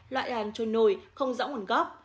loại làn trôi nổi không rõ nguồn gốc